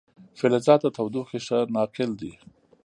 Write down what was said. فلزات د تودوخې ښه ناقل دي.